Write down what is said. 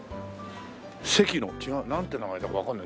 関埜違うなんて名前だかわからない。